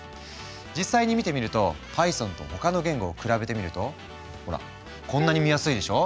実際に見てみるとパイソンと他の言語を比べてみるとほらこんなに見やすいでしょ。